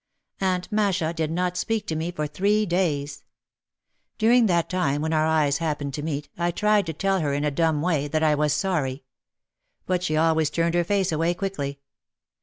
Aunt Masha did not speak to me for three days. Dur ing that time when our eyes happened to meet, I tried to tell her, in a dumb way, that I was sorry. But she al ways turned her face away quickly.